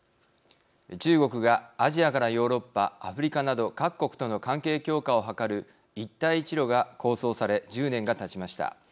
中国がアジアからヨーロッパアフリカなど各国との関係強化を図る一帯一路が構想され１０年がたちました。